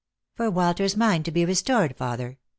" For Walter's mind to be restored, father.